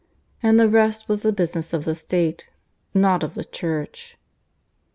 And the rest was the business of the State, not of the Church.